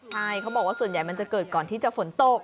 ใช่เขาบอกว่าส่วนใหญ่มันจะเกิดก่อนที่จะฝนตก